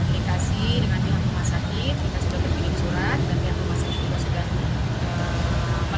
kita berkomunikasi dengan rumah sakit kita sudah berkirim surat